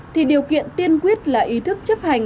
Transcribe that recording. thì điều kiện tiên quyết là ý thức chấp hành